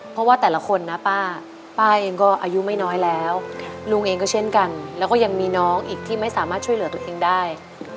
เพราะว่าแต่ละคนนะป้าป้าเองก็อายุไม่น้อยแล้วลุงเองก็เช่นกันแล้วก็ยังมีน้องอีกที่ไม่สามารถช่วยเหลือตัวเองได้